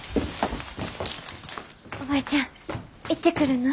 おばちゃん行ってくるな。